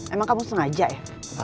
emang kamu sengaja ya